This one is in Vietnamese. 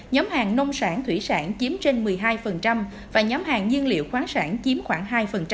nhóm hàng nông sản thủy sản chiếm trên một mươi hai và nhóm hàng nhiên liệu khoáng sản chiếm khoảng hai